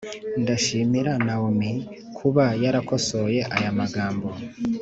ndashimira naomi kuba yarakosoye aya magambo.